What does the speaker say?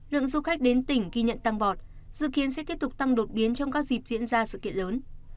lượng du khách đến tỉnh ghi nhận tăng vọt dự kiến sẽ tiếp tục tăng đột biến trong các dịp diễn ra sự kiện lớn